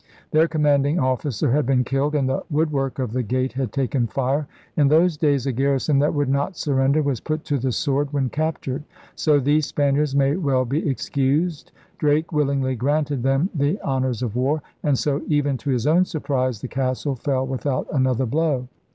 Their commanding officer had been killed and the wood work of the gate had taken fire. In those days a garrison that would not surrender was put to the sword when captured; so these Spaniards may well be excused. Drake willingly granted them the hon ors of war; and so, even to his own surprise, the castle fell without another blow.